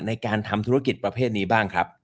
ในการทำธุรกิจประเภทนี้บ้างครับ